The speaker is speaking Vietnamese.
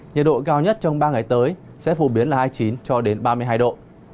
nhiệt độ cao nhất trong ba ngày tới sẽ phổ biến là hai mươi chín ba mươi hai độ